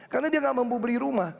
karena dia gak mampu beli rumah